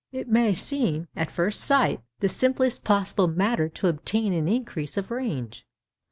It may seem, at first sight, the simplest possible matter to obtain an increase of range.